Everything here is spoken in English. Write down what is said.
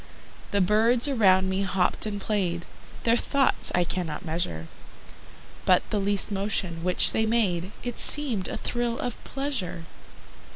The birds around me hopped and played, Their thoughts I cannot measure: But the least motion which they made It seemed a thrill of pleasure.